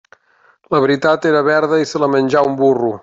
La veritat era verda i se la menjà un burro.